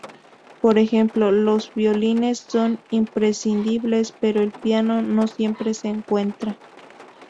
Por ejemplo, los violines son imprescindibles pero el piano no siempre se encuentra.